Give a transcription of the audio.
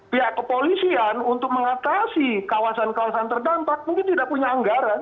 pihak kepolisian untuk mengatasi kawasan kawasan terdampak mungkin tidak punya anggaran